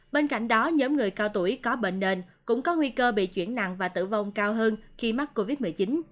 bên cạnh đó nhóm người cao tuổi có bệnh nền cũng có nguy cơ bị chuyển nặng và tử vong cao hơn khi mắc covid một mươi chín